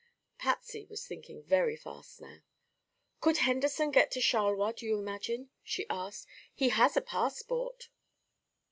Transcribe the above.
Patsy was thinking very fast now. "Could Henderson get to Charleroi, do you imagine?" she asked. "He has a passport."